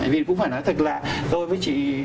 vì cũng phải nói thật là tôi với chị